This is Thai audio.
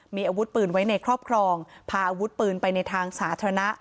มีอาวุธปืนไว้ในครอบครองพาอาวุธปืนไปในทางสาธารณะ